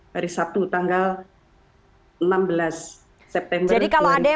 hari sabtu tanggal enam belas september kemarin